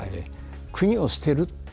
国を捨てる。